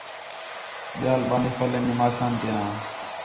ٻِیال ݙُو نفل ہین نِماشاں تیاں